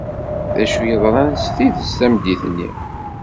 D acu i yeḍran s tidet tameddit-nni.